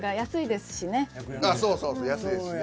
そうそうそう安いですしね。